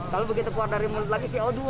lalu begitu keluar dari mulut lagi co dua